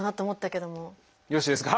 よろしいですか？